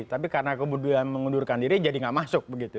tapi karena kemudian mengundurkan diri jadi nggak masuk begitu